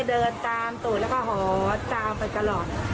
เดินตามตูดแล้วก็หอตามไปตลอด